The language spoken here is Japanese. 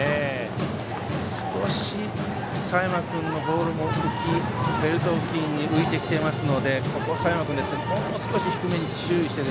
少し、佐山君のボールもベルと付近に浮いてきてますのでここはほんの少し低めに注意して